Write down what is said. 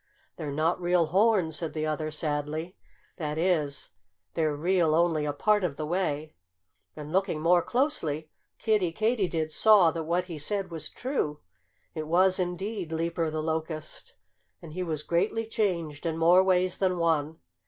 "They're not real horns," said the other sadly. "That is, they're real only a part of the way." And looking more closely, Kiddie Katydid saw that what he said was true. It was, indeed, Leaper the Locust. And he was greatly changed in more ways than one.